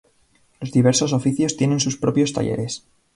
Los diversos oficios tienen sus propios talleres.